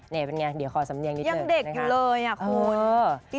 นี่เป็นอย่างไรเดี๋ยวขอสำเนียงนิดเดียวนะครับคุณยังเด็กอยู่เลย